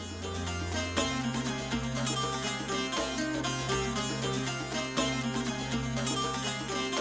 pada tahun seribu sembilan ratus dua belas nu menerima keuntungan di indonesia